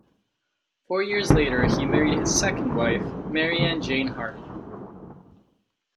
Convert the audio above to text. Four years later he married his second wife, Marianne Jane Harvey.